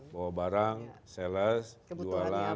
bawa barang sales jualan